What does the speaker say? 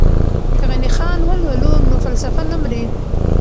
که غني خان ولولو نو فلسفه نه مري.